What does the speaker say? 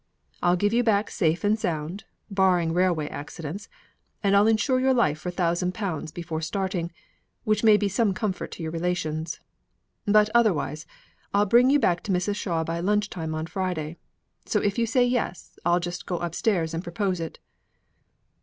I'll give you back safe and sound, barring railway accidents, and I'll insure your life for a thousand pounds before starting, which may be some comfort to your relations; but otherwise, I'll bring you back to Mrs. Shaw by lunch time on Friday. So, if you say yes, I'll just go upstairs and propose it."